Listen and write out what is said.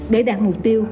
để đạt mục tiêu